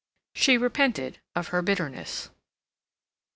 She repented of her bitterness.